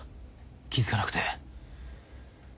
気付かなくて。